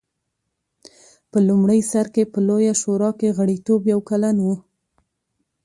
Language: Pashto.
په لومړي سر کې په لویه شورا کې غړیتوب یو کلن و